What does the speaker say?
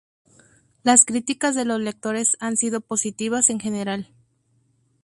Las críticas de los lectores han sido positivas, en general.